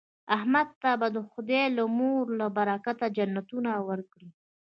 احمد ته به خدای د مور له برکته جنتونه ورکړي.